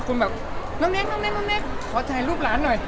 คุณแบบน้องแน๊กขอถ่ายรูปหลานหน่อย